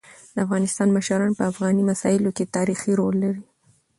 د افغانستان مشران په افغاني مسايلو کيتاریخي رول لري.